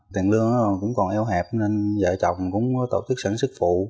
tiền lương cũng còn eo hẹp nên vợ chồng cũng tổ chức sản xuất phụ